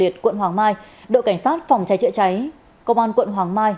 học liệt quận hoàng mai đội cảnh sát phòng cháy chữa cháy công an quận hoàng mai